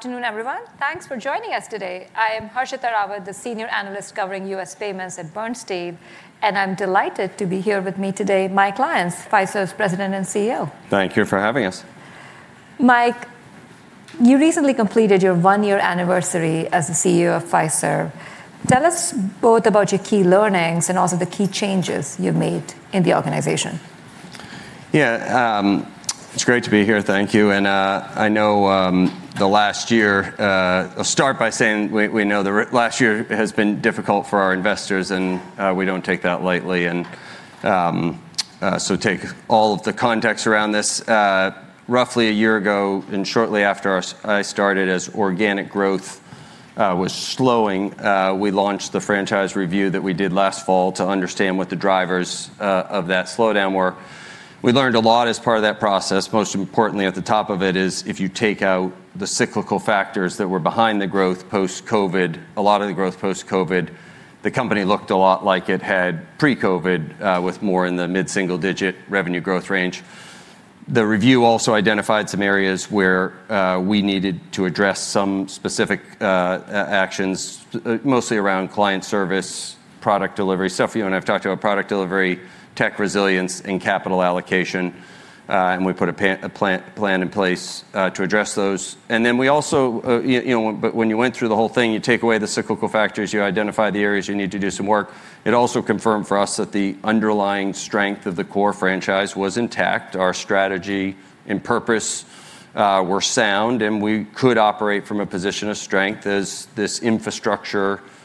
Afternoon, everyone. Thanks for joining us today. I am Harshita Rawat, the Senior Analyst covering U.S. payments at Bernstein, and I'm delighted to be here with me today, Mike Lyons, Fiserv's President and CEO. Thank you for having us. Mike, you recently completed your one-year anniversary as the CEO of Fiserv. Tell us both about your key learnings and also the key changes you've made in the organization? Yeah. It's great to be here. Thank you. I know, the last year I'll start by saying we know the last year has been difficult for our investors, and we don't take that lightly. Take all of the context around this. Roughly a year ago, and shortly after I started as organic growth was slowing, we launched the franchise review that we did last fall to understand what the drivers of that slowdown were. We learned a lot as part of that process. Most importantly, at the top of it is if you take out the cyclical factors that were behind the growth post-COVID, a lot of the growth post-COVID, the company looked a lot like it had pre-COVID, with more in the mid-single-digit revenue growth range. The review also identified some areas where we needed to address some specific actions, mostly around client service, product delivery. Steph, you and I have talked about product delivery, tech resilience, and capital allocation. We put a plan in place to address those. When you went through the whole thing, you take away the cyclical factors, you identify the areas you need to do some work. It also confirmed for us that the underlying strength of the core franchise was intact. Our strategy and purpose were sound, and we could operate from a position of strength as this infrastructure technology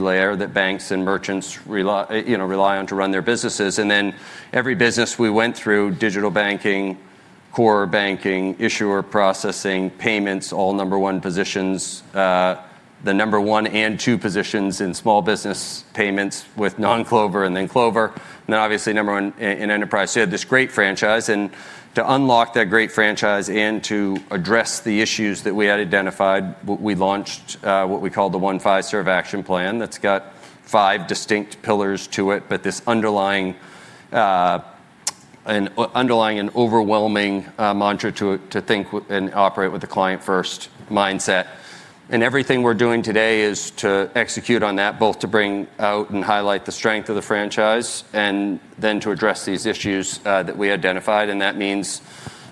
layer that banks and merchants rely on to run their businesses. Every business we went through, digital banking, core banking, issuer processing, payments, all number one positions. The number one and two positions in small business payments with non-Clover and then Clover, obviously number one in enterprise. You had this great franchise, and to unlock that great franchise and to address the issues that we had identified, we launched what we call the One Fiserv Action Plan. That's got five distinct pillars to it. This underlying and overwhelming mantra to think and operate with a client-first mindset. Everything we're doing today is to execute on that, both to bring out and highlight the strength of the franchise, and then to address these issues that we identified. That means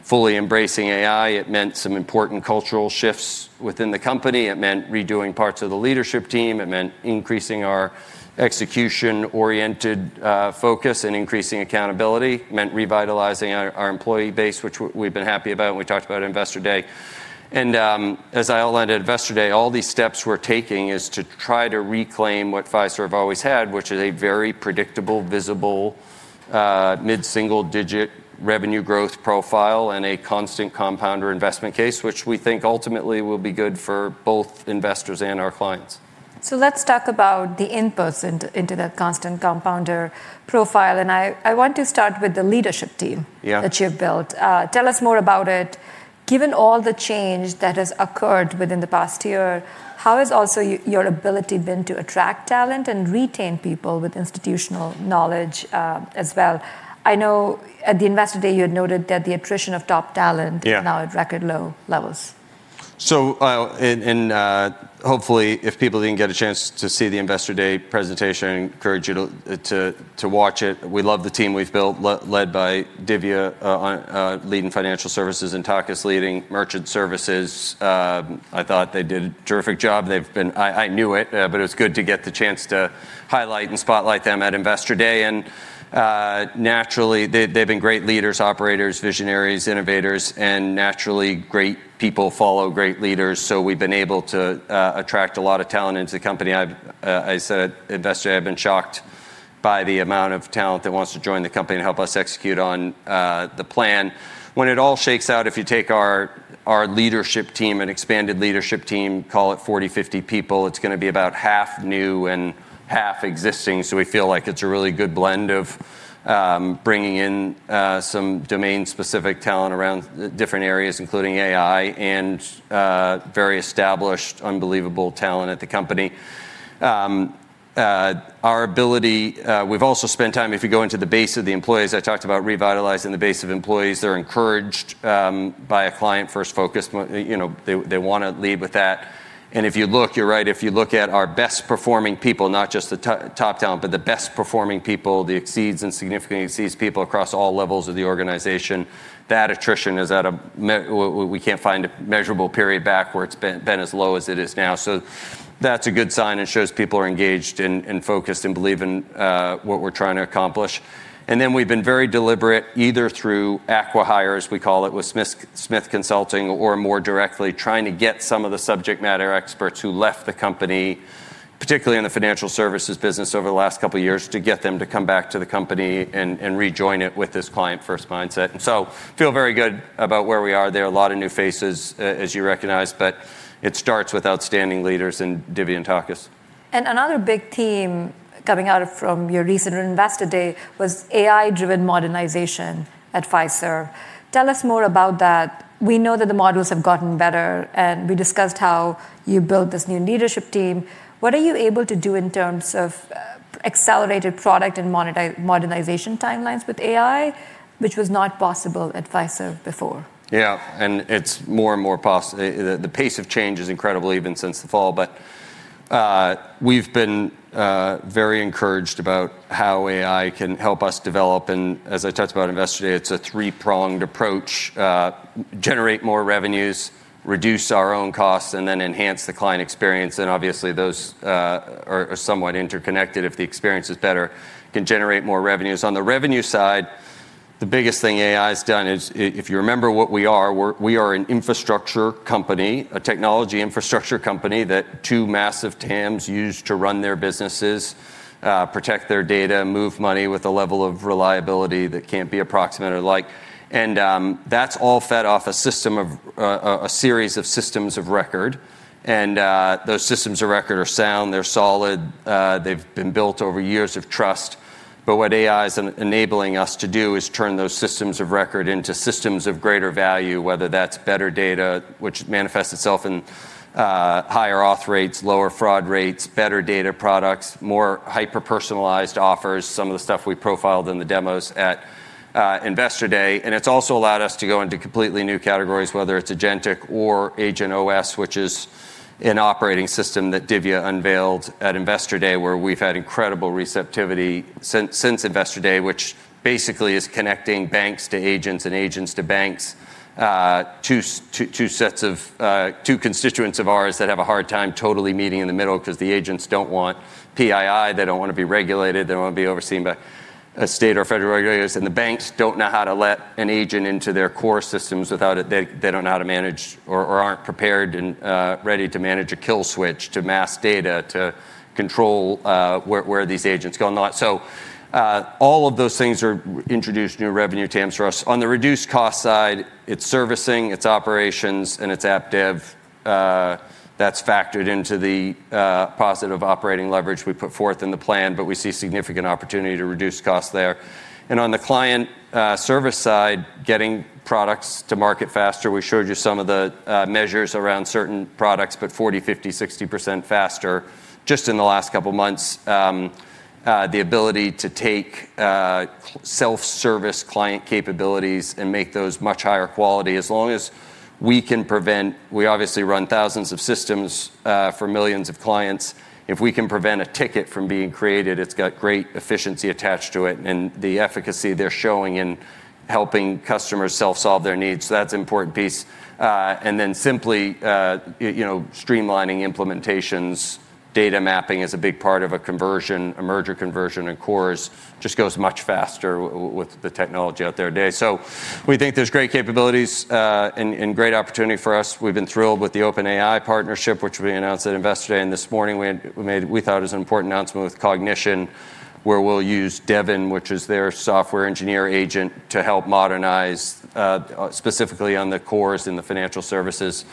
fully embracing AI. It meant some important cultural shifts within the company. It meant redoing parts of the leadership team. It meant increasing our execution-oriented focus and increasing accountability. It meant revitalizing our employee base, which we've been happy about, and we talked about at Investor Day. As I outlined at Investor Day, all these steps we're taking is to try to reclaim what Fiserv always had, which is a very predictable, visible, mid-single-digit revenue growth profile and a constant compounder investment case, which we think ultimately will be good for both investors and our clients. Let's talk about the inputs into that constant compounder profile, and I want to start with the leadership team. Yeah that you've built. Tell us more about it. Given all the change that has occurred within the past year, how has also your ability been to attract talent and retain people with institutional knowledge as well? I know at the Investor Day, you had noted that the attrition of top talent. Yeah is now at record low levels. Hopefully if people didn't get a chance to see the Investor Day presentation, I encourage you to watch it. We love the team we've built, led by Dhivya on leading financial services and Takis leading merchant services. I thought they did a terrific job. I knew it but it was good to get the chance to highlight and spotlight them at Investor Day. Naturally, they've been great leaders, operators, visionaries, innovators, and naturally great people follow great leaders, so we've been able to attract a lot of talent into the company. I said at Investor Day, I've been shocked by the amount of talent that wants to join the company and help us execute on the plan. When it all shakes out, if you take our leadership team and expanded leadership team, call it 40, 50 people, it's going to be about half new and half existing. We feel like it's a really good blend of bringing in some domain-specific talent around different areas, including AI, and very established, unbelievable talent at the company. We've also spent time, if you go into the base of the employees, I talked about revitalizing the base of employees. They're encouraged by a client-first focus. They want to lead with that. If you look, you're right. If you look at our best performing people, not just the top talent, but the best performing people, the exceeds and significantly exceeds people across all levels of the organization, that attrition is, we can't find a measurable period back where it's been as low as it is now. That's a good sign. It shows people are engaged and focused and believe in what we're trying to accomplish. We've been very deliberate, either through acquihires, we call it, with Smith Consulting or more directly trying to get some of the subject matter experts who left the company, particularly in the financial services business over the last couple of years, to get them to come back to the company and rejoin it with this client-first mindset. Feel very good about where we are. There are a lot of new faces, as you recognize, but it starts with outstanding leaders in Dhivya and Takis. Another big theme coming out from your recent Investor Day was AI-driven modernization at Fiserv. Tell us more about that. We know that the models have gotten better, and we discussed how you built this new leadership team. What are you able to do in terms of-accelerated product and modernization timelines with AI, which was not possible at Fiserv before. Yeah. The pace of change is incredible even since the fall. We've been very encouraged about how AI can help us develop and as I talked about Investor Day, it's a three-pronged approach. Generate more revenues, reduce our own costs, and then enhance the client experience. Obviously those are somewhat interconnected. If the experience is better, it can generate more revenues. On the revenue side, the biggest thing AI's done is, if you remember what we are, we are an infrastructure company, a technology infrastructure company that two massive TAMs use to run their businesses, protect their data, move money with a level of reliability that can't be approximate or like. That's all fed off a series of systems of record. Those systems of record are sound, they're solid. They've been built over years of trust. What AI is enabling us to do is turn those systems of record into systems of greater value, whether that's better data, which manifests itself in higher auth rates, lower fraud rates, better data products, more hyper-personalized offers, some of the stuff we profiled in the demos at Investor Day. It's also allowed us to go into completely new categories, whether it's agentic or agentOS, which is an operating system that Dhivya unveiled at Investor Day, where we've had incredible receptivity since Investor Day, which basically is connecting banks to agents and agents to banks. Two constituents of ours that have a hard time totally meeting in the middle, because the agents don't want PII, they don't want to be regulated, they don't want to be overseen by state or federal regulators, and the banks don't know how to let an agent into their core systems without. They don't know how to manage or aren't prepared and ready to manage a kill switch to mask data to control where these agents go and not. All of those things are introduced new revenue TAMs for us. On the reduced cost side, it's servicing, it's operations and it's app dev. That's factored into the positive operating leverage we put forth in the plan, but we see significant opportunity to reduce costs there. On the client service side, getting products to market faster. We showed you some of the measures around certain products, but 40%, 50%, 60% faster just in the last couple of months. The ability to take self-service client capabilities and make those much higher quality. We obviously run thousands of systems for millions of clients. If we can prevent a ticket from being created, it's got great efficiency attached to it and the efficacy they're showing in helping customers self-solve their needs. That's an important piece. Simply streamlining implementations. Data mapping is a big part of a conversion, a merger conversion, and cores just goes much faster with the technology out there today. We think there's great capabilities and great opportunity for us. We've been thrilled with the OpenAI partnership, which we announced at Investor Day. This morning we thought it was an important announcement with Cognition, where we'll use Devin, which is their software engineer agent, to help modernize specifically on the cores in the financial services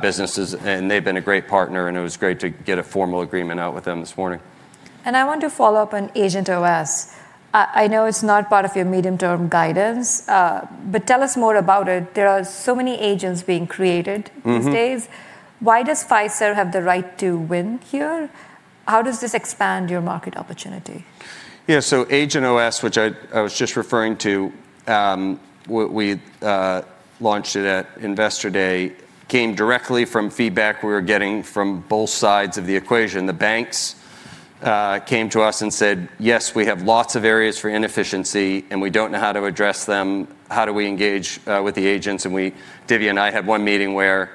businesses. They've been a great partner, and it was great to get a formal agreement out with them this morning. I want to follow up on agentOS. I know it's not part of your medium-term guidance. Tell us more about it. There are so many agents being created these days. Why does Fiserv have the right to win here? How does this expand your market opportunity? Yeah, agentOS, which I was just referring to, we launched it at Investor Day, came directly from feedback we were getting from both sides of the equation. The banks came to us and said, "Yes, we have lots of areas for inefficiency, and we don't know how to address them." How do we engage with the agents? Dhivya and I had one meeting where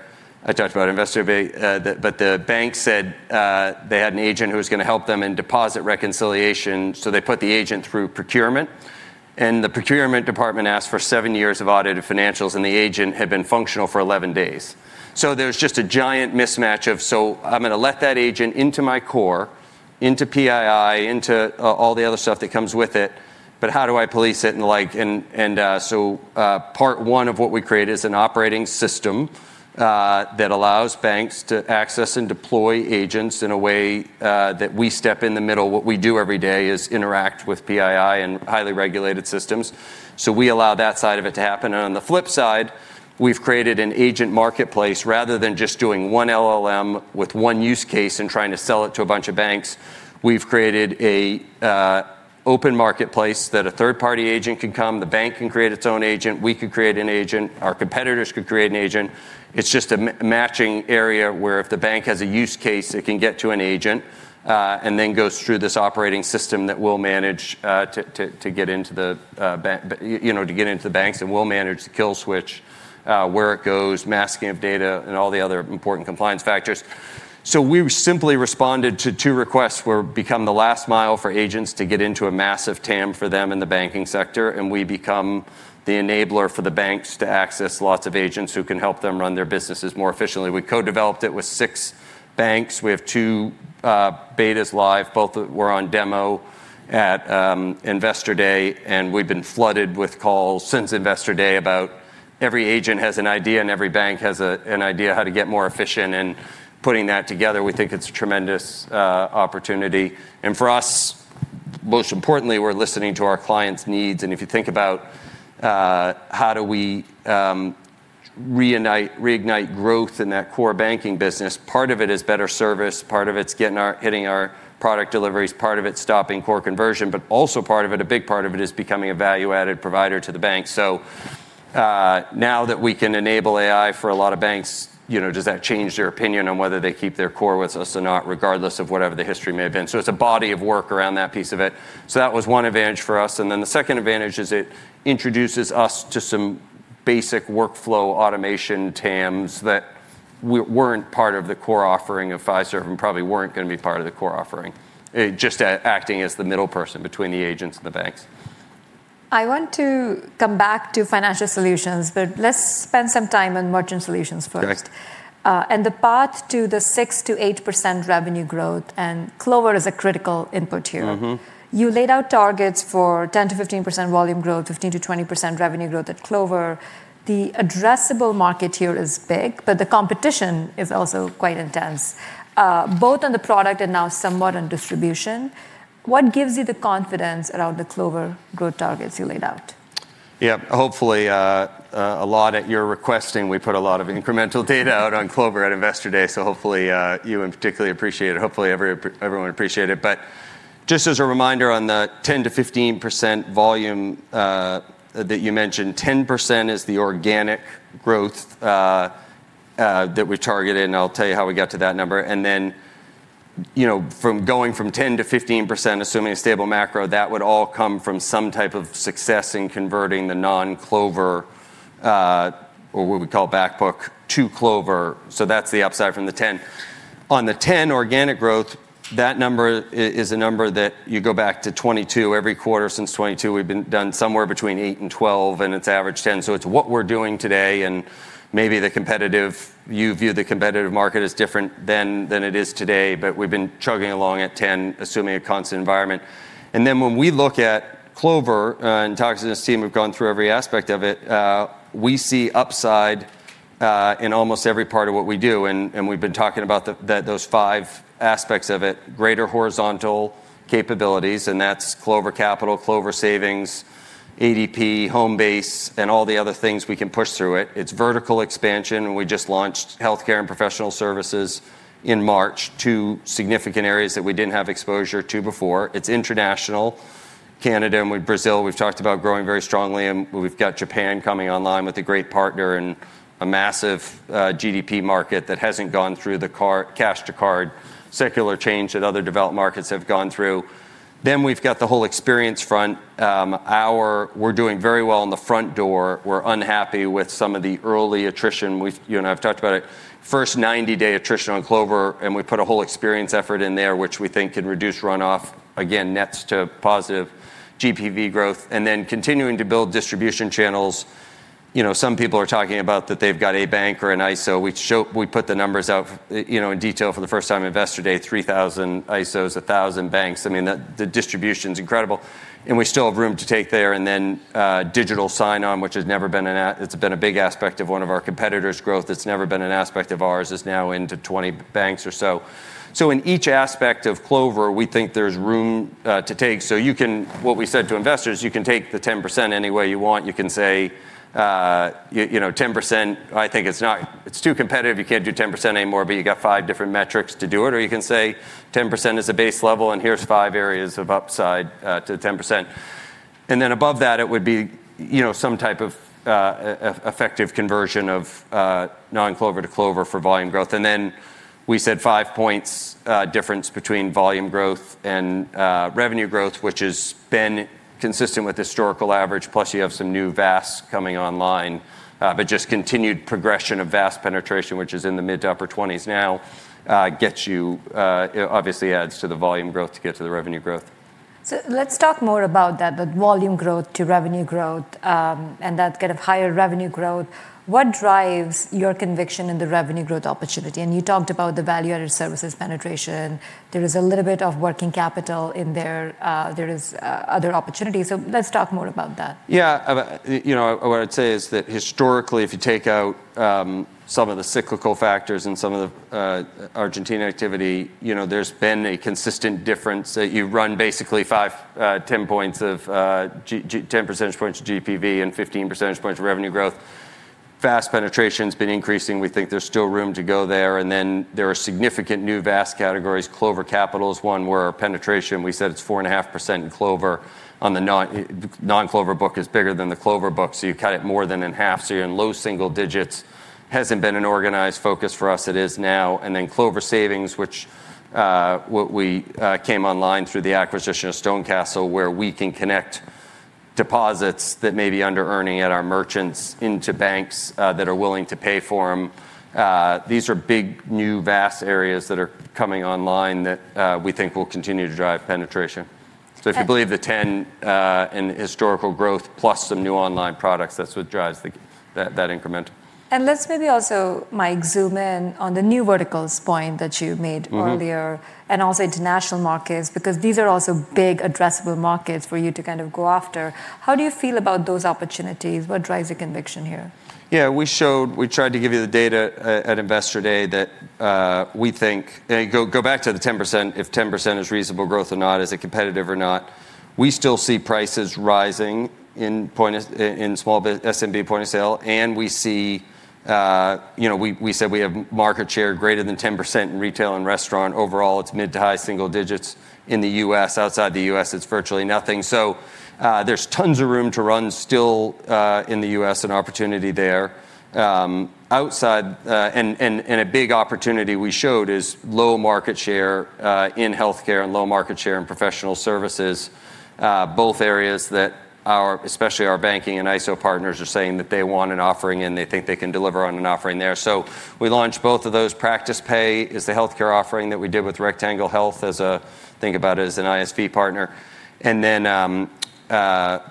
I talked about Investor Day, the bank said they had an agent who was going to help them in deposit reconciliation, they put the agent through procurement. The procurement department asked for seven years of audited financials, and the agent had been functional for 11 days. There's just a giant mismatch of, I'm going to let that agent into my core, into PII, into all the other stuff that comes with it. How do I police it and the like? Part one of what we created is an operating system that allows banks to access and deploy agents in a way that we step in the middle. What we do every day is interact with PII and highly regulated systems. We allow that side of it to happen. On the flip side, we've created an agent marketplace rather than just doing one LLM with one use case and trying to sell it to a bunch of banks. We've created an open marketplace that a third-party agent can come, the bank can create its own agent, we could create an agent, our competitors could create an agent. It's just a matching area where if the bank has a use case, it can get to an agent, and then goes through this operating system that we will manage to get into the banks and we will manage the kill switch, where it goes, masking of data, and all the other important compliance factors. We simply responded to two requests where become the last mile for agents to get into a massive TAM for them in the banking sector, and we become the enabler for the banks to access lots of agents who can help them run their businesses more efficiently. We co-developed it with six banks. We have two betas live. Both were on demo at Investor Day, and we've been flooded with calls since Investor Day about every agent has an idea and every bank has an idea how to get more efficient and putting that together, we think it's a tremendous opportunity. For us, most importantly, we're listening to our clients' needs, and if you think about how do we reignite growth in that core banking business? Part of it is better service, part of it's hitting our product deliveries, part of it's stopping core conversion, but also part of it, a big part of it, is becoming a value-added provider to the bank. Now that we can enable AI for a lot of banks, does that change their opinion on whether they keep their core with us or not, regardless of whatever the history may have been? It's a body of work around that piece of it. That was one advantage for us, and then the second advantage is it introduces us to some basic workflow automation TAMs that weren't part of the core offering of Fiserv, and probably weren't going to be part of the core offering, just acting as the middle person between the agents and the banks. I want to come back to financial solutions, but let's spend some time on merchant solutions first. Okay. The path to the 6%-8% revenue growth, and Clover is a critical input here. You laid out targets for 10%-15% volume growth, 15%-20% revenue growth at Clover. The addressable market here is big, but the competition is also quite intense, both on the product and now somewhat on distribution. What gives you the confidence around the Clover growth targets you laid out? Yeah. Hopefully, a lot at your requesting, we put a lot of incremental data out on Clover at Investor Day. Hopefully, you in particularly appreciate it. Hopefully, everyone appreciate it. Just as a reminder on the 10%-15% volume that you mentioned, 10% is the organic growth that we targeted, and I'll tell you how we got to that number. Going from 10%-15%, assuming a stable macro, that would all come from some type of success in converting the non-Clover, or what we call back book to Clover. That's the upside from the 10. On the 10 organic growth, that number is a number that you go back to 2022. Every quarter since 2022, we've done somewhere between eight and 12, and it's average 10. It's what we're doing today and maybe you view the competitive market as different than it is today, but we've been chugging along at 10, assuming a constant environment. When we look at Clover, and talking to this team, we've gone through every aspect of it, we see upside in almost every part of what we do. We've been talking about those five aspects of it, greater horizontal capabilities, and that's Clover Capital, Clover Savings, ADP, Homebase, and all the other things we can push through it. It's vertical expansion. We just launched healthcare and professional services in March, two significant areas that we didn't have exposure to before. It's international. Canada and Brazil, we've talked about growing very strongly, and we've got Japan coming online with a great partner and a massive GDP market that hasn't gone through the cash to card secular change that other developed markets have gone through. We've got the whole experience front. We're doing very well on the front door. We're unhappy with some of the early attrition. You and I have talked about it. First 90-day attrition on Clover, and we put a whole experience effort in there, which we think can reduce runoff, again, nets to positive GPV growth. Continuing to build distribution channels. Some people are talking about that they've got a bank or an ISO. We put the numbers out in detail for the first time, Investor Day, 3,000 ISOs, 1,000 banks. I mean, the distribution's incredible, and we still have room to take there. Digital sign-on, it's been a big aspect of one of our competitor's growth. It's never been an aspect of ours, is now into 20 banks or so. In each aspect of Clover, we think there's room to take. What we said to investors, "You can take the 10% any way you want." You can say, "10%, I think it's too competitive. You can't do 10% anymore, but you got five different metrics to do it." You can say, "10% is a base level, and here's five areas of upside to 10%." Above that, it would be some type of effective conversion of non-Clover to Clover for volume growth. We said five points difference between volume growth and revenue growth, which has been consistent with historical average. You have some new VAS coming online. Just continued progression of VAS penetration, which is in the mid to upper 20s now, obviously adds to the volume growth to get to the revenue growth. Let's talk more about that, the volume growth to revenue growth, and that kind of higher revenue growth. What drives your conviction in the revenue growth opportunity? You talked about the Value-Added Services penetration. There is a little bit of working capital in there. There is other opportunities. Let's talk more about that. Yeah. What I'd say is that historically, if you take out some of the cyclical factors and some of the Argentina activity, there's been a consistent difference that you run basically five, 10 percentage points of GPV and 15 percentage points of revenue growth. VAS penetration's been increasing. We think there's still room to go there. There are significant new VAS categories. Clover Capital is one where our penetration, we said it's 4.5% in Clover on the non-Clover book is bigger than the Clover book. You cut it more than in half, you're in low single digits. Hasn't been an organized focus for us. It is now. Clover Savings, which we came online through the acquisition of StoneCastle, where we can connect deposits that may be under earning at our merchants into banks that are willing to pay for them. These are big, new VAS areas that are coming online that we think will continue to drive penetration. If you believe the 10 in historical growth plus some new online products, that's what drives that incremental. Let's maybe also, Mike, zoom in on the new verticals point that you made earlier. Also international markets, because these are also big addressable markets for you to go after. How do you feel about those opportunities? What drives your conviction here? Yeah, we tried to give you the data at Investor Day. Go back to the 10%, if 10% is reasonable growth or not, is it competitive or not? We still see prices rising in small SMB point of sale, and we said we have market share greater than 10% in retail and restaurant. Overall, it's mid to high single digits in the U.S. Outside the U.S., it's virtually nothing. There's tons of room to run still, in the U.S., an opportunity there. Outside, a big opportunity we showed is low market share in healthcare and low market share in professional services. Both areas that especially our banking and ISO partners are saying that they want an offering, and they think they can deliver on an offering there. We launched both of those. Clover PracticePay is the healthcare offering that we did with Rectangle Health, think about it as an ISV partner.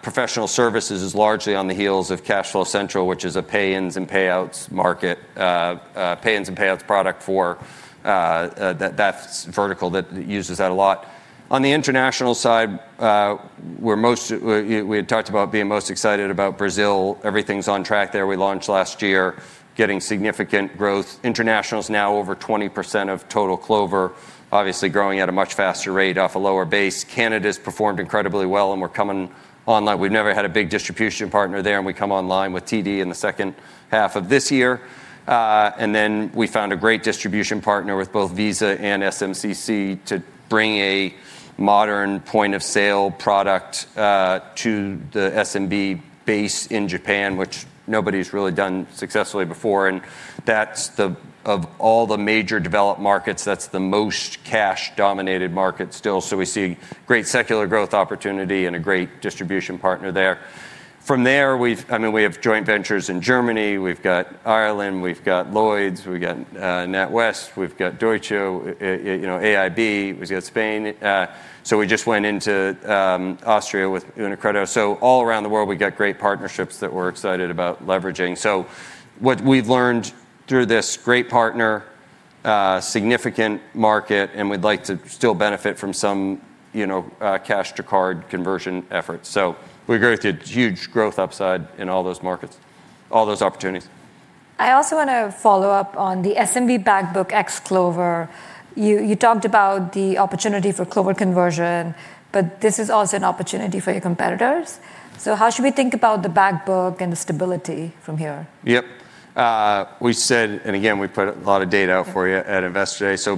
Professional Services is largely on the heels of CashFlow Central, which is a pay ins and payouts market, pay ins and payouts product for that vertical that uses that a lot. On the international side, we had talked about being most excited about Brazil. Everything's on track there. We launched last year, getting significant growth. International's now over 20% of total Clover, obviously growing at a much faster rate off a lower base. Canada's performed incredibly well, and we're coming online. We've never had a big distribution partner there, and we come online with TD in the second half of this year. We found a great distribution partner with both Visa and SMCC to bring a modern point of sale product to the SMB base in Japan, which nobody's really done successfully before. Of all the major developed markets, that's the most cash-dominated market still. We see great secular growth opportunity and a great distribution partner there. From there, we have joint ventures in Germany, we've got Ireland, we've got Lloyds, we've got NatWest, we've got Deutsche, AIB, we've got Spain. We just went into Austria with UniCredit. All around the world, we've got great partnerships that we're excited about leveraging. What we've learned through this great partner, significant market, and we'd like to still benefit from some cash to card conversion efforts. We agree with you, huge growth upside in all those markets, all those opportunities. I also want to follow up on the SMB back book ex Clover. You talked about the opportunity for Clover conversion, but this is also an opportunity for your competitors. How should we think about the back book and the stability from here? Yep. Again, we put a lot of data out for you at Investor Day.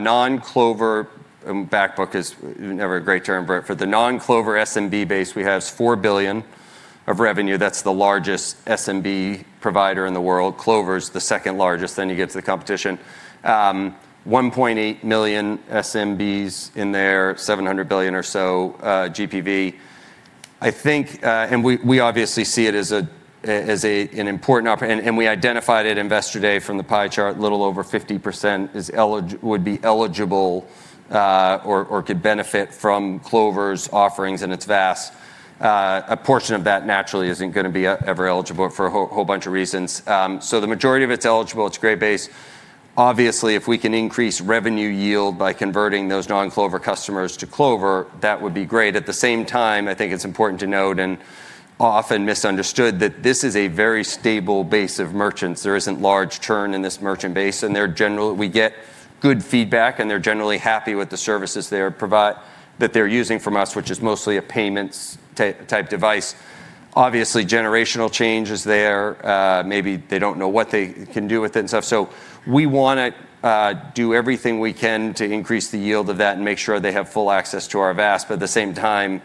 Non-Clover back book is never a great term, but for the non-Clover SMB base, we have $4 billion of revenue. That's the largest SMB provider in the world. Clover's the second largest, then you get to the competition. 1.8 million SMBs in there, $700 billion or so GPV. We obviously see it as an important opportunity, and we identified at Investor Day from the pie chart, a little over 50% would be eligible or could benefit from Clover's offerings and its VAS. A portion of that naturally isn't going to be ever eligible for a whole bunch of reasons. The majority of it's eligible. It's a great base. Obviously, if we can increase revenue yield by converting those non-Clover customers to Clover, that would be great. At the same time, I think it's important to note, and often misunderstood, that this is a very stable base of merchants. There isn't large churn in this merchant base, and we get good feedback, and they're generally happy with the services that they're using from us, which is mostly a payments type device. Obviously, generational change is there. Maybe they don't know what they can do with it and stuff. We want to do everything we can to increase the yield of that and make sure they have full access to our VAS. At the same time,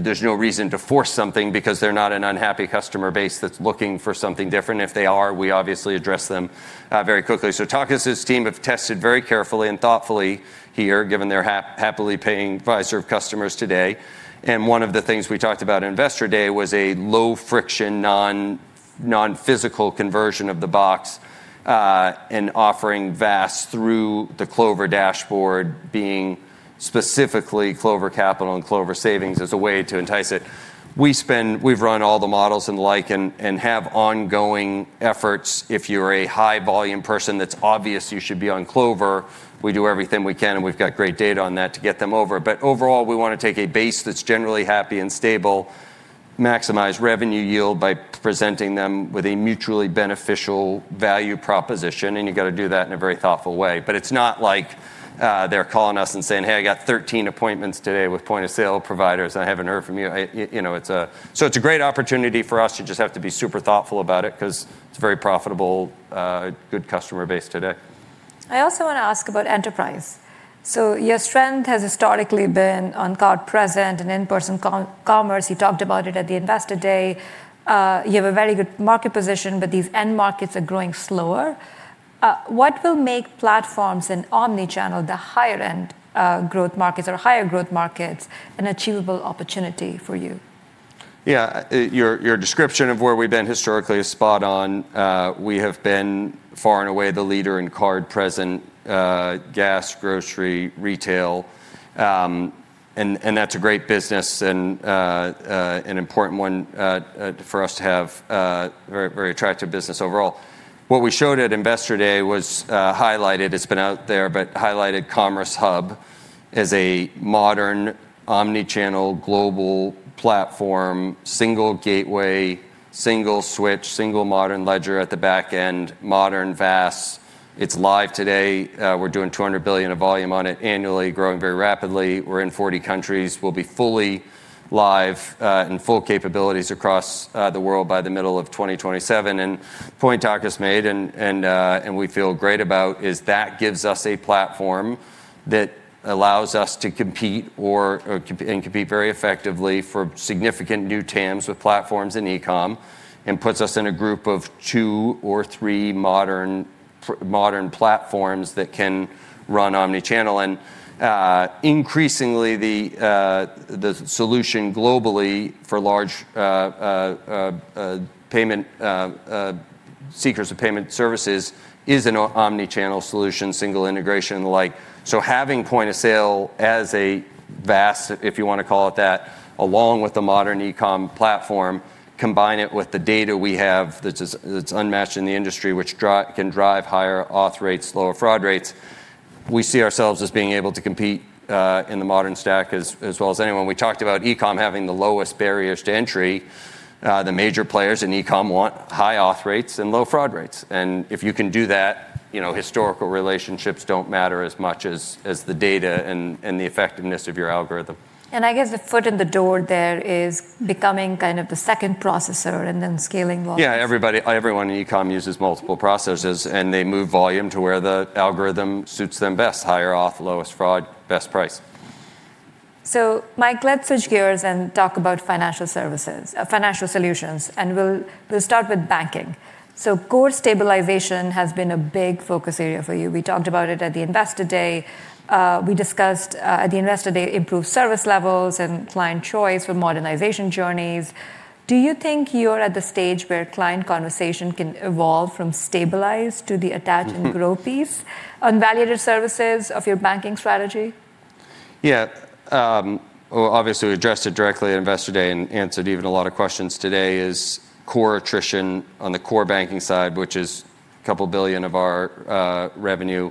there's no reason to force something because they're not an unhappy customer base that's looking for something different. If they are, we obviously address them very quickly. Takis' team have tested very carefully and thoughtfully here, given they're happily paying Fiserv customers today. One of the things we talked about at Investor Day was a low-friction, non-physical conversion of the box, and offering VAS through the Clover Dashboard being specifically Clover Capital and Clover Savings as a way to entice it. We've run all the models and the like and have ongoing efforts. If you're a high-volume person, that's obvious you should be on Clover. We do everything we can, and we've got great data on that to get them over. Overall, we want to take a base that's generally happy and stable, maximize revenue yield by presenting them with a mutually beneficial value proposition, and you got to do that in a very thoughtful way. It's not like they're calling us and saying, "Hey, I got 13 appointments today with point of sale providers, and I haven't heard from you." It's a great opportunity for us. You just have to be super thoughtful about it because it's a very profitable, good customer base today. I also want to ask about enterprise. Your strength has historically been on card present and in-person commerce. You talked about it at the Investor Day. You have a very good market position, but these end markets are growing slower. What will make platforms and omnichannel the higher-end growth markets or higher growth markets an achievable opportunity for you? Yeah. Your description of where we've been historically is spot on. We have been far and away the leader in card present, gas, grocery, retail. That's a great business and an important one for us to have. Very attractive business overall. What we showed at Investor Day was highlighted, it's been out there, but highlighted Commerce Hub as a modern omni-channel global platform, single gateway, single switch, single modern ledger at the back end, modern VAS. It's live today. We're doing $200 billion of volume on it annually, growing very rapidly. We're in 40 countries. We'll be fully live in full capabilities across the world by the middle of 2027. The point Takis made and we feel great about is that gives us a platform that allows us to compete and compete very effectively for significant new TAMs with platforms in e-com, and puts us in a group of two or three modern platforms that can run omni-channel. Increasingly, the solution globally for large seekers of payment services is an omni-channel solution, single integration the like. Having point of sale as a VAS, if you want to call it that, along with the modern e-com platform, combine it with the data we have that's unmatched in the industry, which can drive higher auth rates, lower fraud rates. We see ourselves as being able to compete in the modern stack as well as anyone. We talked about e-com having the lowest barriers to entry. The major players in e-com want high auth rates and low fraud rates. If you can do that, historical relationships don't matter as much as the data and the effectiveness of your algorithm. I guess the foot in the door there is becoming the second processor and then scaling volume. Yeah, everyone in e-com uses multiple processors, and they move volume to where the algorithm suits them best. Higher auth, lowest fraud, best price. Mike, let's switch gears and talk about financial solutions, and we'll start with banking. Core stabilization has been a big focus area for you. We talked about it at the Investor Day. We discussed, at the Investor Day, improved service levels and client choice with modernization journeys. Do you think you're at the stage where client conversation can evolve from stabilize to the attach and grow piece on value-added services of your banking strategy? Yeah. Well, obviously we addressed it directly at Investor Day and answered even a lot of questions today is core attrition on the core banking side, which is a couple of billion of our revenue.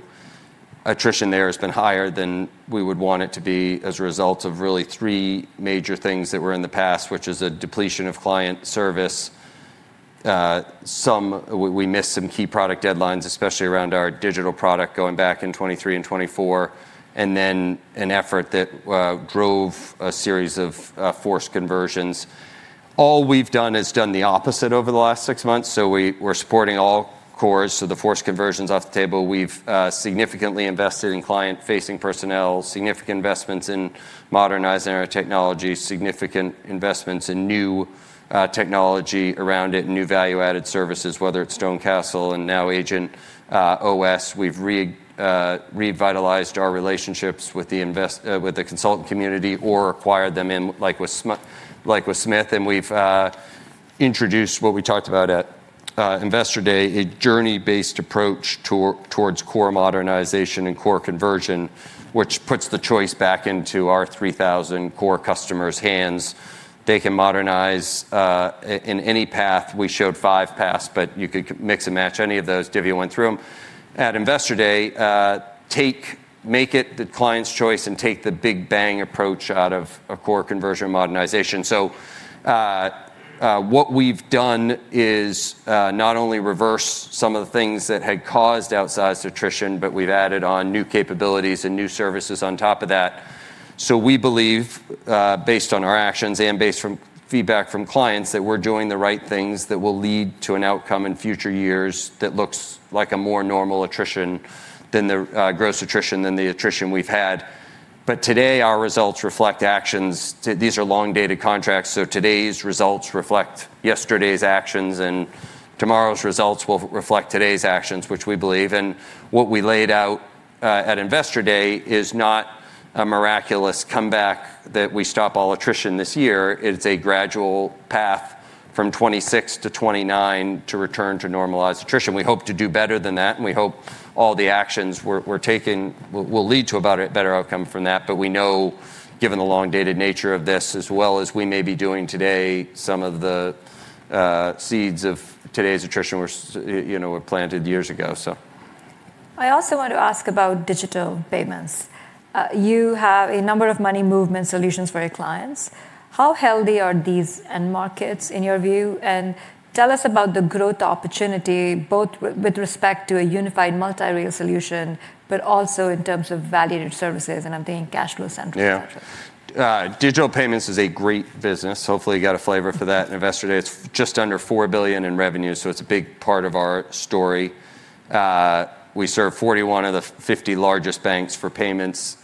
Attrition there has been higher than we would want it to be as a result of really three major things that were in the past, which is a depletion of client service. We missed some key product deadlines, especially around our digital product going back in 2023 and 2024, and then an effort that drove a series of forced conversions. All we've done is done the opposite over the last six months. We're supporting all cores, so the forced conversion's off the table. We've significantly invested in client-facing personnel, significant investments in modernizing our technology, significant investments in new technology around it, new value-added services, whether it's StoneCastle and now agentOS. We've revitalized our relationships with the consultant community or acquired them in, like with Smith, and we've introduced what we talked about at Investor Day, a journey-based approach towards core modernization and core conversion, which puts the choice back into our 3,000 core customers' hands. They can modernize in any path. We showed five paths, but you could mix and match any of those. Dhivya went through them at Investor Day. Make it the client's choice and take the big bang approach out of core conversion modernization. What we've done is not only reverse some of the things that had caused outsized attrition, but we've added on new capabilities and new services on top of that. We believe, based on our actions and based from feedback from clients, that we're doing the right things that will lead to an outcome in future years that looks like a more normal attrition than the gross attrition than the attrition we've had. Today, our results reflect actions. These are long-dated contracts, so today's results reflect yesterday's actions, and tomorrow's results will reflect today's actions, which we believe. What we laid out at Investor Day is not a miraculous comeback that we stop all attrition this year. It's a gradual path from 2026 to 2029 to return to normalized attrition. We hope to do better than that, and we hope all the actions we're taking will lead to a better outcome from that. We know, given the long-dated nature of this, as well as we may be doing today, some of the seeds of today's attrition were planted years ago. I also want to ask about digital payments. You have a number of money movement solutions for your clients. How healthy are these end markets in your view? Tell us about the growth opportunity, both with respect to a unified multi-rail solution, but also in terms of value-added services, and I'm thinking CashFlow Central, et cetera. Yeah. Digital payments is a great business. Hopefully, you got a flavor for that at Investor Day. It's just under $4 billion in revenue, It's a big part of our story. We serve 41 of the 50 largest banks for payments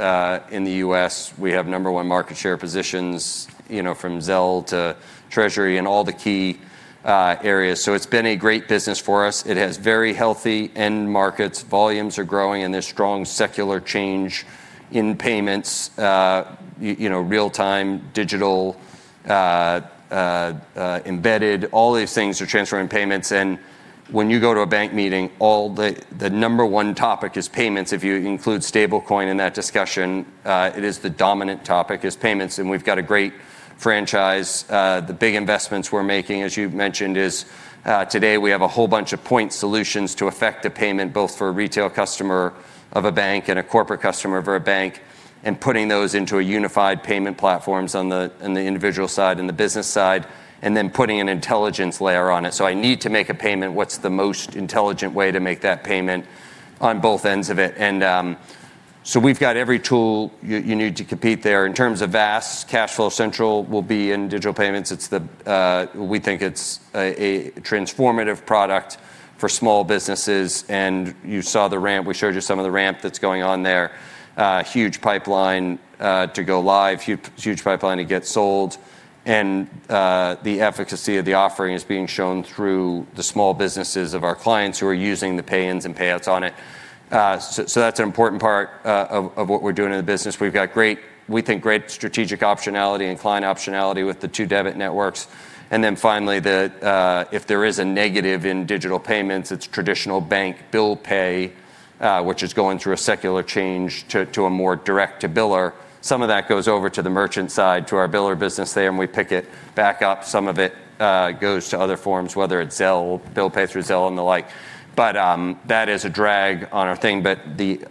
in the U.S. We have number one market share positions, from Zelle to Treasury and all the key areas. It's been a great business for us. It has very healthy end markets. Volumes are growing, and there's strong secular change in payments, real-time, digital, embedded, all these things are transferring payments in. When you go to a bank meeting, The number one topic is payments. If you include stablecoin in that discussion, it is the dominant topic is payments, and we've got a great franchise. The big investments we're making, as you've mentioned, is today we have a whole bunch of point solutions to effect a payment, both for a retail customer of a bank and a corporate customer of a bank, and putting those into a unified payment platforms on the individual side and the business side, and then putting an intelligence layer on it. I need to make a payment. What's the most intelligent way to make that payment on both ends of it? We've got every tool you need to compete there. In terms of VAS, CashFlow Central will be in digital payments. We think it's a transformative product for small businesses. You saw the ramp. We showed you some of the ramp that's going on there. Huge pipeline, to go live, huge pipeline to get sold. The efficacy of the offering is being shown through the small businesses of our clients who are using the pay-ins and payouts on it. That's an important part of what we're doing in the business. We've got great, we think great strategic optionality and client optionality with the two debit networks. Then finally, if there is a negative in digital payments, it's traditional bank bill pay, which is going through a secular change to a more direct to biller. Some of that goes over to the merchant side, to our biller business there, and we pick it back up. Some of it goes to other forms, whether it's Zelle, bill pays through Zelle and the like. That is a drag on our thing. The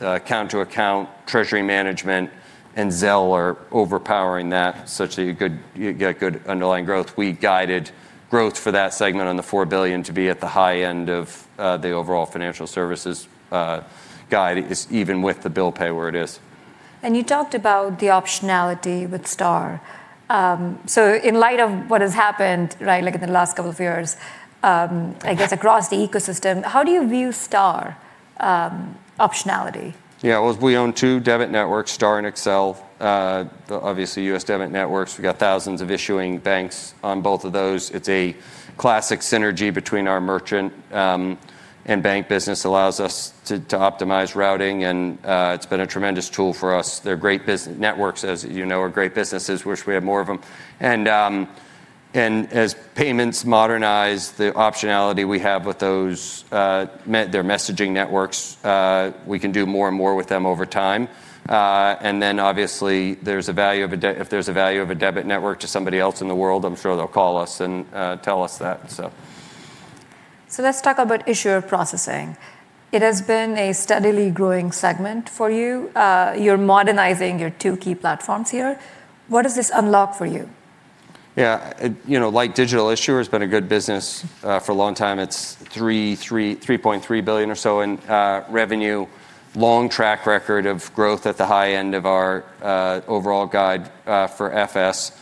account-to-account treasury management and Zelle are overpowering that, such that you get good underlying growth. We guided growth for that segment on the $4 billion to be at the high end of the overall financial services guide, even with the bill pay where it is. You talked about the optionality with STAR. In light of what has happened, right, like in the last couple of years, I guess, across the ecosystem, how do you view STAR optionality? Yeah. Well, we own two debit networks, STAR and Accel. Obviously, U.S. debit networks, we've got thousands of issuing banks on both of those. It's a classic synergy between our merchant and bank business allows us to optimize routing, and it's been a tremendous tool for us. They're great business networks, as you know, are great businesses. Wish we had more of them. As payments modernize the optionality we have with their messaging networks, we can do more and more with them over time. Obviously, if there's a value of a debit network to somebody else in the world, I'm sure they'll call us and tell us that, so. Let's talk about issuer processing. It has been a steadily growing segment for you. You're modernizing your two key platforms here. What does this unlock for you? Like digital issuer has been a good business for a long time. It's $3.3 billion or so in revenue. Long track record of growth at the high end of our overall guide for FS.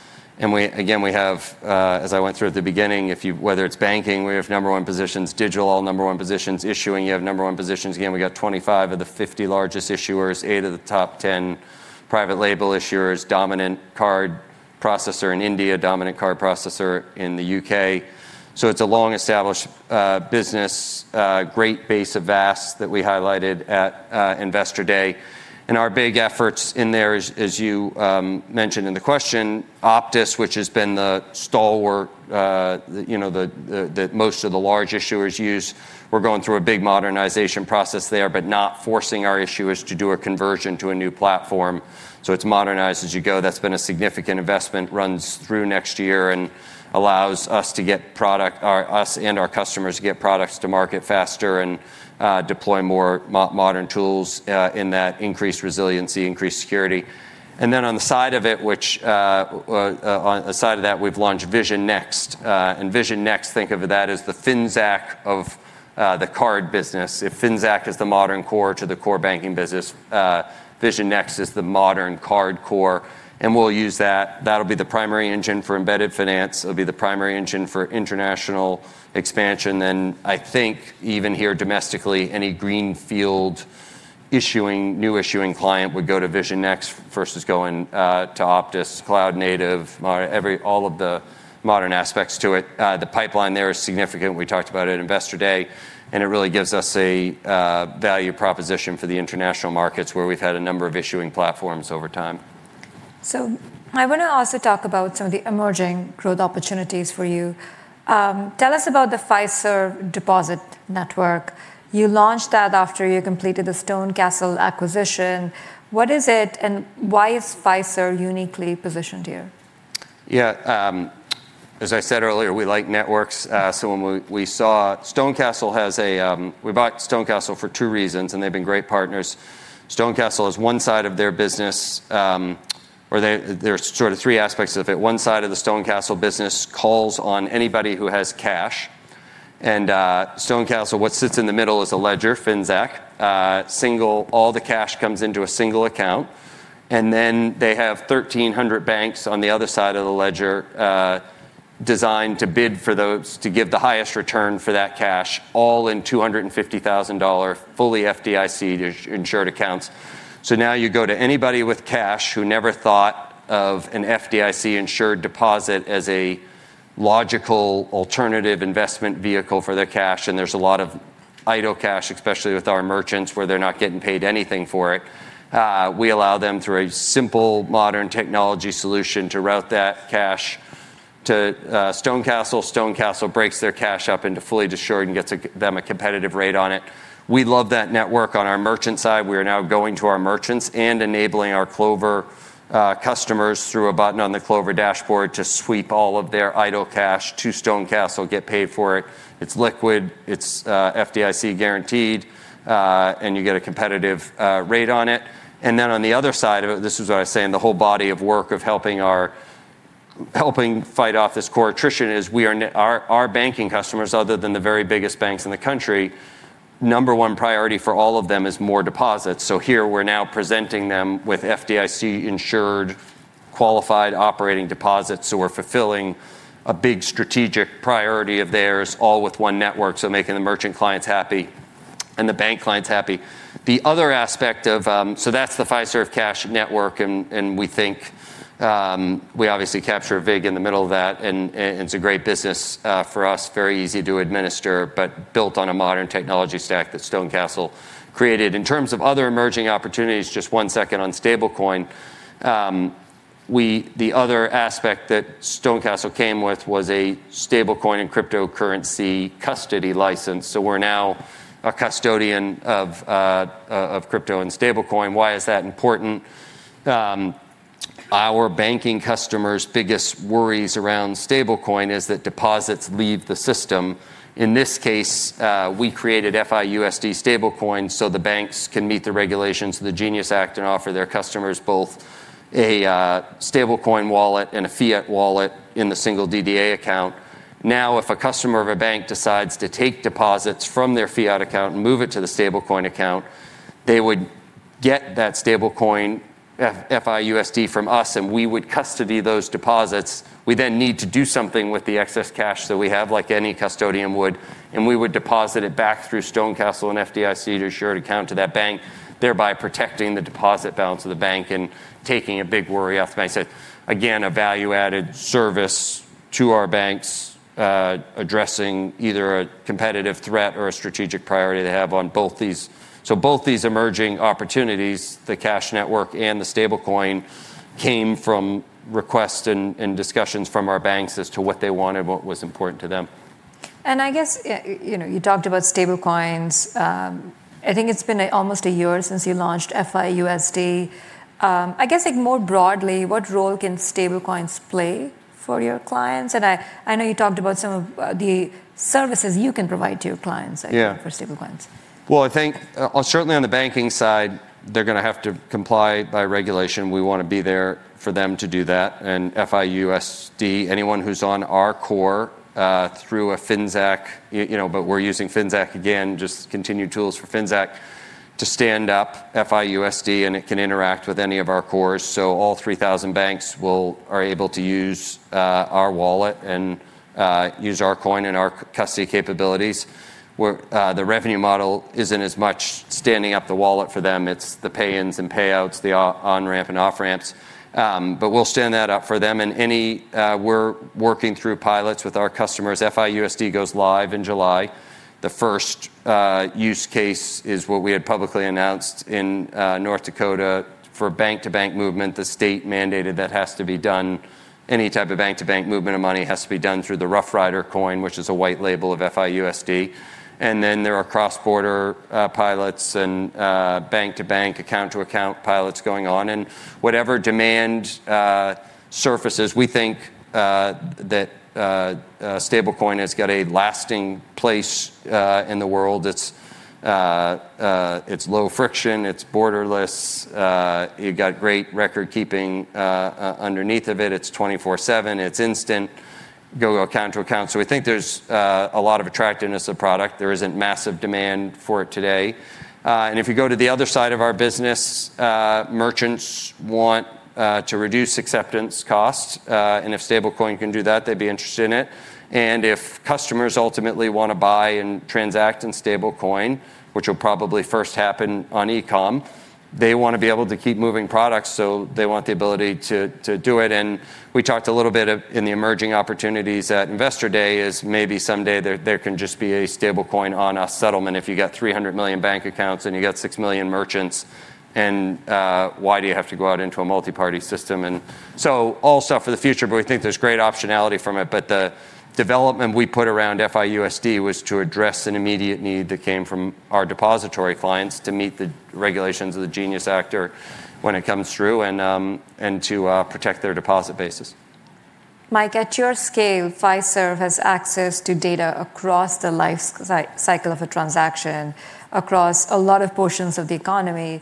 Again, we have, as I went through at the beginning, whether it's banking, we have number one positions, digital all number one positions, issuing you have number one positions. Again, we got 25 of the 50 largest issuers, eight of the top 10 private label issuers, dominant card processor in India, dominant card processor in the U.K. It's a long-established business, great base of VAS that we highlighted at Investor Day. Our big efforts in there, as you mentioned in the question, Optis, which has been the stalwart that most of the large issuers use, we're going through a big modernization process there, but not forcing our issuers to do a conversion to a new platform. It's modernized as you go. That's been a significant investment. Runs through next year and allows us and our customers to get products to market faster and deploy more modern tools in that increased resiliency, increased security. On the side of that, we've launched Vision Next. Vision Next, think of that as the Finxact of the card business. If Finxact is the modern core to the core banking business, Vision Next is the modern card core, and we'll use that. That'll be the primary engine for embedded finance. It'll be the primary engine for international expansion. I think even here domestically, any greenfield issuing, new issuing client would go to Vision Next versus going to Optis, cloud native, all of the modern aspects to it. The pipeline there is significant. We talked about it at Investor Day, it really gives us a value proposition for the international markets where we've had a number of issuing platforms over time. I want to also talk about some of the emerging growth opportunities for you. Tell us about the Fiserv Deposit Network. You launched that after you completed the StoneCastle acquisition. What is it and why is Fiserv uniquely positioned here? Yeah. As I said earlier, we like networks. We bought StoneCastle for two reasons, and they've been great partners. StoneCastle has one side of their business, or there's sort of three aspects of it. One side of the StoneCastle business calls on anybody who has cash. StoneCastle, what sits in the middle is a ledger, Finxact. All the cash comes into a single account. Then they have 1,300 banks on the other side of the ledger, designed to bid for those to give the highest return for that cash, all in $250,000, fully FDIC-insured accounts. Now you go to anybody with cash who never thought of an FDIC-insured deposit as a logical alternative investment vehicle for their cash, and there's a lot of idle cash, especially with our merchants, where they're not getting paid anything for it. We allow them, through a simple modern technology solution, to route that cash to StoneCastle. StoneCastle breaks their cash up into fully insured and gets them a competitive rate on it. We love that network. On our merchant side, we are now going to our merchants and enabling our Clover customers through a button on the Clover Dashboard to sweep all of their idle cash to StoneCastle, get paid for it. It's liquid, it's FDIC guaranteed, and you get a competitive rate on it. On the other side of it, this is what I was saying, the whole body of work of helping fight off this core attrition is our banking customers, other than the very biggest banks in the country, number one priority for all of them is more deposits. Here we're now presenting them with FDIC-insured, qualified operating deposits. We're fulfilling a big strategic priority of theirs, all with one network, so making the merchant clients happy and the bank clients happy. That's the Fiserv Cash Network, and we think we obviously capture vig in the middle of that and it's a great business for us, very easy to administer, but built on a modern technology stack that StoneCastle created. In terms of other emerging opportunities, just one second on stablecoin. The other aspect that StoneCastle came with was a stablecoin and cryptocurrency custody license. We're now a custodian of crypto and stablecoin. Why is that important? Our banking customers' biggest worries around stablecoin is that deposits leave the system. In this case, we created FIUSD stablecoin so the banks can meet the regulations of the GENIUS Act and offer their customers both a stablecoin wallet and a fiat wallet in the single DDA account. If a customer of a bank decides to take deposits from their fiat account and move it to the stablecoin account, they would get that stablecoin, FIUSD, from us, and we would custody those deposits. We need to do something with the excess cash that we have, like any custodian would, and we would deposit it back through StoneCastle and FDIC to an insured account to that bank, thereby protecting the deposit balance of the bank and taking a big worry off the bank. Again, a value-added service to our banks, addressing either a competitive threat or a strategic priority they have on both these. Both these emerging opportunities, the cash network and the stablecoin, came from requests and discussions from our banks as to what they wanted, what was important to them. I guess, you talked about stablecoins. I think it's been almost a year since you launched FIUSD. I guess more broadly, what role can stablecoins play for your clients? I know you talked about some of the services you can provide to your clients. Yeah I think for stablecoins. Well, I think certainly on the banking side, they're going to have to comply by regulation. We want to be there for them to do that. FIUSD, anyone who's on our core, through a Finxact, but we're using Finxact again, just continued tools for Finxact to stand up FIUSD, and it can interact with any of our cores. All 3,000 banks are able to use our wallet and use our coin and our custody capabilities, where the revenue model isn't as much standing up the wallet for them. It's the pay-ins and payouts, the on-ramp and off-ramps, but we'll stand that up for them and we're working through pilots with our customers. FIUSD goes live in July. The first use case is what we had publicly announced in North Dakota for bank-to-bank movement. The state mandated that any type of bank-to-bank movement of money has to be done through the Roughrider Coin, which is a white label of FIUSD. There are cross-border pilots and bank-to-bank, account-to-account pilots going on and whatever demand surfaces, we think that Stablecoin has got a lasting place in the world. It's low friction. It's borderless. You got great record keeping underneath of it. It's 24/7. It's instant. Go account to account. We think there's a lot of attractiveness of product. There isn't massive demand for it today. If you go to the other side of our business, merchants want to reduce acceptance costs, and if Stablecoin can do that, they'd be interested in it. If customers ultimately want to buy and transact in stablecoin, which will probably first happen on e-com, they want to be able to keep moving products. They want the ability to do it. We talked a little bit in the emerging opportunities at Investor Day is maybe someday there can just be a stablecoin on-us settlement. If you got 300 million bank accounts and you got 6 million merchants, why do you have to go out into a multi-party system? All stuff for the future. We think there's great optionality from it. The development we put around FIUSD was to address an immediate need that came from our depository clients to meet the regulations of the GENIUS Act, or when it comes through, to protect their deposit bases. Mike, at your scale, Fiserv has access to data across the life cycle of a transaction, across a lot of portions of the economy.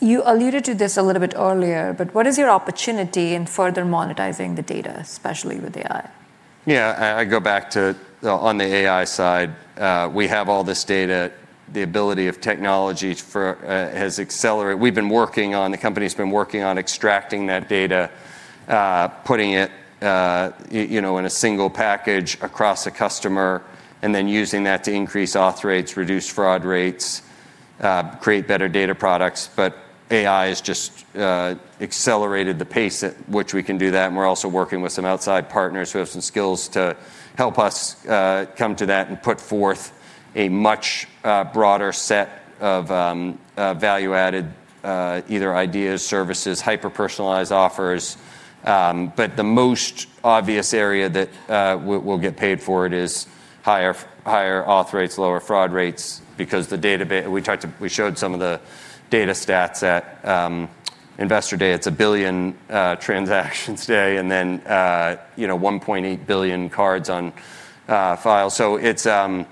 You alluded to this a little bit earlier, but what is your opportunity in further monetizing the data, especially with AI? Yeah, I go back to on the AI side. We have all this data, the ability of technology has accelerated. The company's been working on extracting that data, putting it in a single package across a customer, using that to increase auth rates, reduce fraud rates, create better data products. AI has just accelerated the pace at which we can do that, and we're also working with some outside partners who have some skills to help us come to that and put forth a much broader set of value-added either ideas, services, hyper-personalized offers. The most obvious area that we'll get paid for it is higher auth rates, lower fraud rates because We showed some of the data stats at Investor Day. It's a billion transactions today and then 1.8 billion cards on file.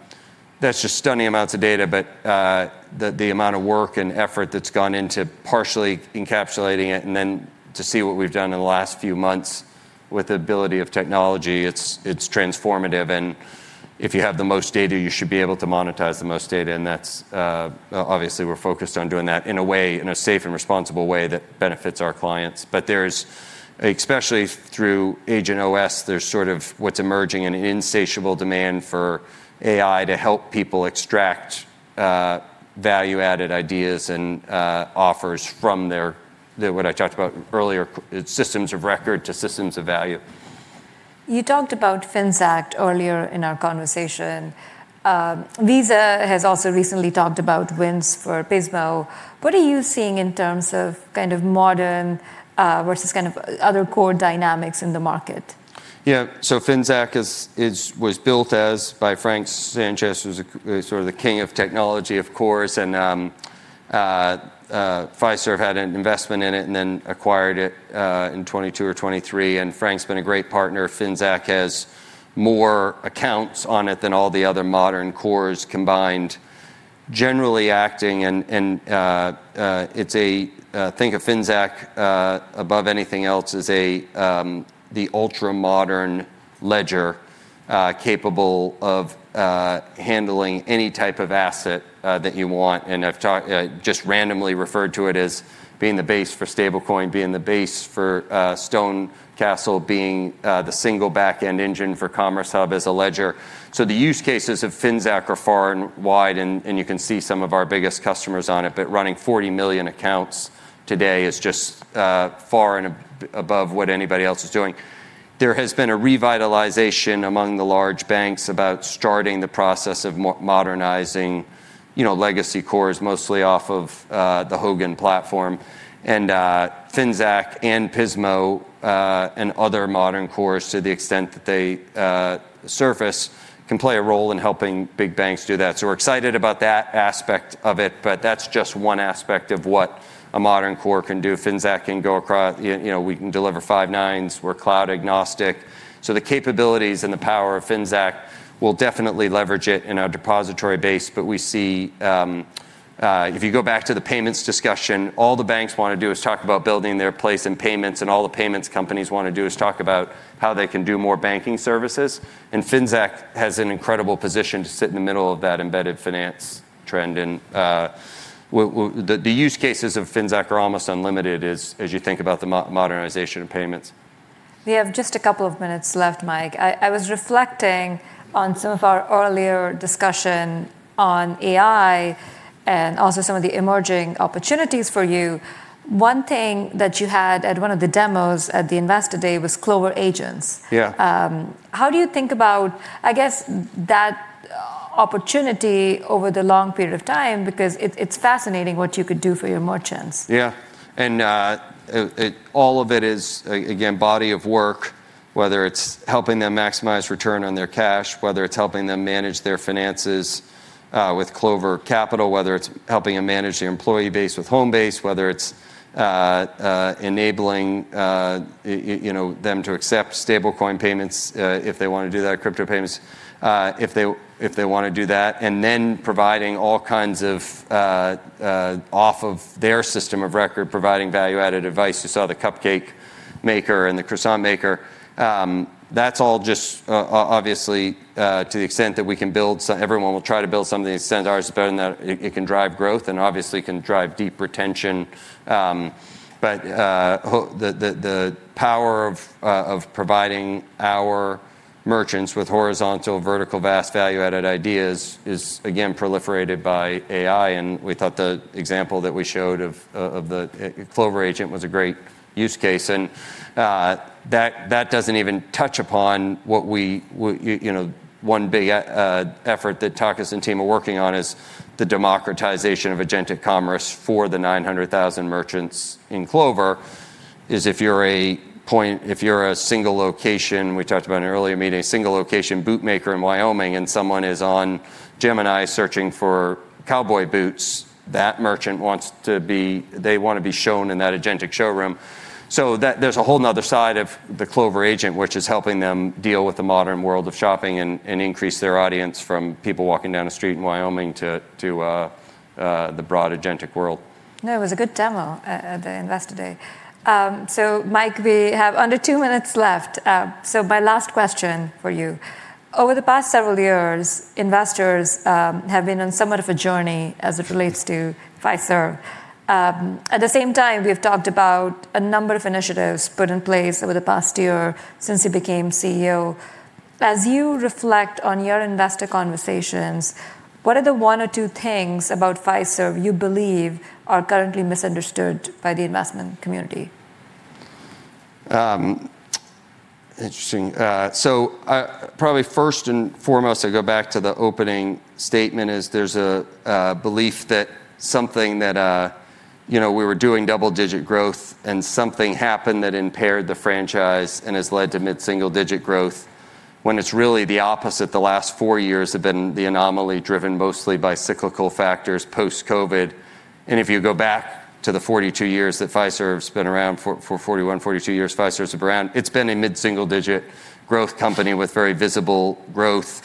That's just stunning amounts of data. The amount of work and effort that's gone into partially encapsulating it and then to see what we've done in the last few months with the ability of technology, it's transformative. If you have the most data, you should be able to monetize the most data, and obviously we're focused on doing that in a safe and responsible way that benefits our clients. Especially through agentOS, there's sort of what's emerging an insatiable demand for AI to help people extract value-added ideas and offers from their, what I talked about earlier, systems of record to systems of value. You talked about Finxact earlier in our conversation. Visa has also recently talked about wins for Pismo. What are you seeing in terms of modern versus kind of other core dynamics in the market? Finxact was built by Frank Sanchez, who's sort of the king of technology, of course. Fiserv had an investment in it and then acquired it in 2022 or 2023. Frank's been a great partner. Finxact has more accounts on it than all the other modern cores combined, generally acting and think of Finxact above anything else as the ultra-modern ledger capable of handling any type of asset that you want. I've just randomly referred to it as being the base for stablecoin, being the base for StoneCastle, being the single backend engine for Commerce Hub as a ledger. The use cases of Finxact are far and wide, and you can see some of our biggest customers on it. Running 40 million accounts today is just far and above what anybody else is doing. There has been a revitalization among the large banks about starting the process of modernizing legacy cores, mostly off of the Hogan platform. Finxact and Pismo, and other modern cores, to the extent that they surface, can play a role in helping big banks do that. We're excited about that aspect of it. That's just one aspect of what a modern core can do. Finxact can go. We can deliver five nines. We're cloud agnostic. The capabilities and the power of Finxact, we'll definitely leverage it in our depository base. If you go back to the payments discussion, all the banks want to do is talk about building their place in payments, and all the payments companies want to do is talk about how they can do more banking services. Finxact has an incredible position to sit in the middle of that embedded finance trend. The use cases of Finxact are almost unlimited as you think about the modernization of payments. We have just a couple of minutes left, Mike. I was reflecting on some of our earlier discussion on AI and also some of the emerging opportunities for you. One thing that you had at one of the demos at the Investor Day was Clover Agents. Yeah. How do you think about, I guess, that opportunity over the long period of time? It's fascinating what you could do for your merchants. All of it is, again, body of work, whether it's helping them maximize return on their cash, whether it's helping them manage their finances with Clover Capital, whether it's helping them manage their employee base with Homebase, whether it's enabling them to accept stablecoin payments, if they want to do that, crypto payments, if they want to do that. Providing all kinds of off of their system of record, providing value-added advice. You saw the cupcake maker and the croissant maker. That's all just, obviously, to the extent that we can build, everyone will try to build something to the extent ours is better than that, it can drive growth and obviously can drive deep retention. The power of providing our merchants with horizontal, vertical, vast value-added ideas is again proliferated by AI, and we thought the example that we showed of the Clover Agents was a great use case. That doesn't even touch upon one big effort that Takis and team are working on is the democratization of agentic commerce for the 900,000 merchants in Clover is if you're a single location, we talked about in an earlier meeting, a single location boot maker in Wyoming and someone is on Gemini searching for cowboy boots. That merchant, they want to be shown in that agentic showroom. There's a whole another side of the Clover Agents, which is helping them deal with the modern world of shopping and increase their audience from people walking down the street in Wyoming to the broad agentic world. It was a good demo at the Investor Day. Mike, we have under two minutes left. My last question for you. Over the past several years, investors have been on somewhat of a journey as it relates to Fiserv. At the same time, we've talked about a number of initiatives put in place over the past year since you became CEO. As you reflect on your investor conversations, what are the one or two things about Fiserv you believe are currently misunderstood by the investment community? Interesting. Probably first and foremost, I go back to the opening statement, is there's a belief that something that we were doing double-digit growth and something happened that impaired the franchise and has led to mid-single digit growth when it's really the opposite. The last four years have been the anomaly, driven mostly by cyclical factors post-COVID. If you go back to the 42 years that Fiserv's been around, for 41, 42 years Fiserv's been around, it's been a mid-single digit growth company with very visible growth.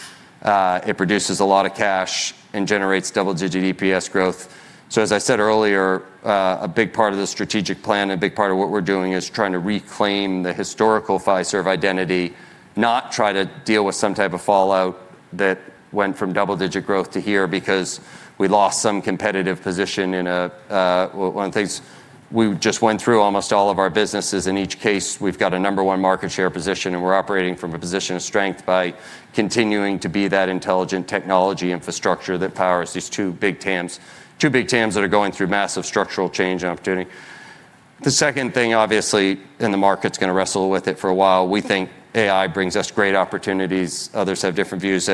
It produces a lot of cash and generates double-digit EPS growth. As I said earlier, a big part of the strategic plan, a big part of what we're doing is trying to reclaim the historical Fiserv identity, not try to deal with some type of fallout that went from double-digit growth to here because we lost some competitive position in one of the things. We just went through almost all of our businesses. In each case, we've got a number one market share position, and we're operating from a position of strength by continuing to be that intelligent technology infrastructure that powers these two big TAMs, two big TAMs that are going through massive structural change and opportunity. The second thing, obviously, and the market's going to wrestle with it for a while, we think AI brings us great opportunities. Others have different views.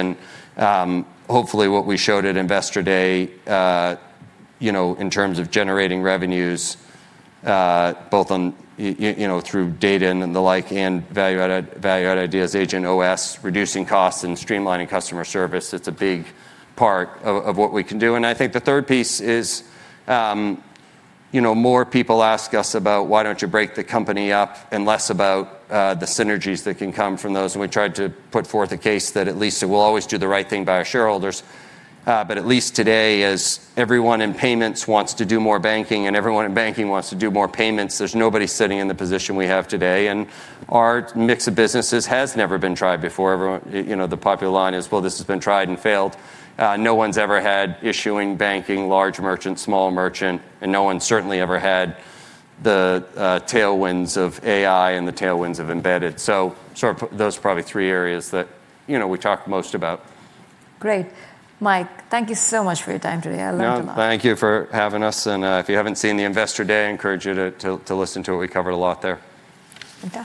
Hopefully what we showed at Investor Day, in terms of generating revenues, both through data and the like, and value-added ideas, agentOS, reducing costs and streamlining customer service, it's a big part of what we can do. I think the third piece is, more people ask us about why don't you break the company up and less about the synergies that can come from those. We tried to put forth a case that at least it will always do the right thing by our shareholders. At least today, as everyone in payments wants to do more banking and everyone in banking wants to do more payments, there's nobody sitting in the position we have today and our mix of businesses has never been tried before. The popular line is, "Well, this has been tried and failed." No one's ever had issuing banking, large merchant, small merchant, and no one certainly ever had the tailwinds of AI and the tailwinds of embedded. Those are probably three areas that we talked most about. Great. Mike, thank you so much for your time today. I learned a lot. No, thank you for having us. If you haven't seen the Investor Day, I encourage you to listen to it. We covered a lot there. Okay